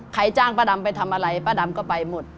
จ้างป้าดำไปทำอะไรป้าดำก็ไปหมด